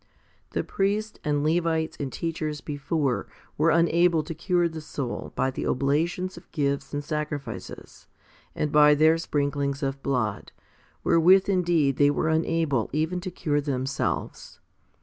The priests and Levites and teachers before were unable to cure the soul by the oblations of gifts and sacrifices, and by their sprinklings of blood, wherewith indeed they were un able even to cure themselves.